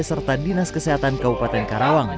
serta dinas kesehatan kabupaten karawang